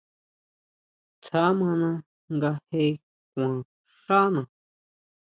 Tsja mana nga je kuan xána.